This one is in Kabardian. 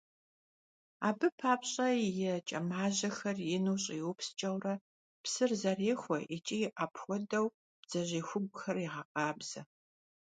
Абы папщӀэ и кӀэмажьэхэр ину щӀиупскӀэурэ, псыр зэрехуэ икӀи апхуэдэу бдзэжьей хугухэр егъэкъабзэ.